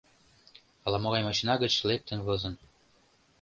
Ала-могай машина гыч лектын возын.